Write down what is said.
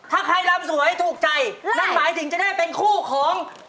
ถ้าใครรำสวยถูกใจนั่นหมายถึงจะได้เป็นคู่ของ